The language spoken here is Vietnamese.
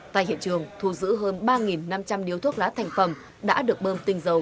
tại hiện trường thu giữ hơn ba năm trăm linh điếu thuốc lá thành phẩm đã được bơm tinh dầu